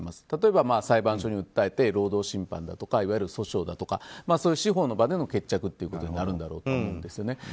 例えば裁判所に訴えて労働審判だとかいわゆる訴訟だとか司法の場での決着ということになるんだろうと思うんですよね。